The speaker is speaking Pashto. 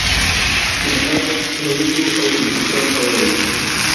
الحاد تړلو او اتصال ته وايي.